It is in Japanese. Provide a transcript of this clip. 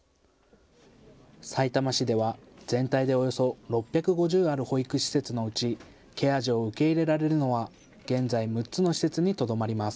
さいたま市では、全体でおよそ６５０ある保育施設のうちケア児を受け入れられるのは現在６つの施設にとどまります。